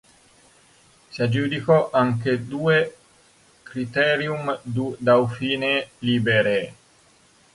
Si aggiudicò anche due Critérium du Dauphiné Libéré.